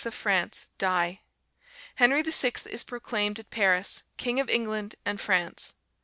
of France die. Henry VI. is proclaimed at Paris, King of England and France.